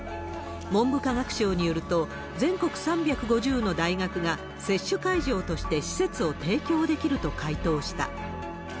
文部科学省によると、全国３５０の大学が、接種会場として施設を提供できると回答した。